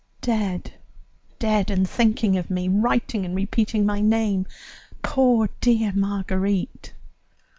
Dead! Dead and thinking of me, writing and repeating my name, poor dear Marguerite!"